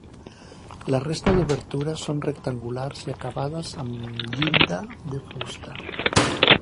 La resta d'obertures són rectangulars i acabades amb llinda de fusta.